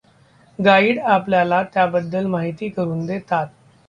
Guide आपल्याला त्याबद्दल माहिती करून देतात.